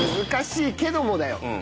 難しいけどもだよ。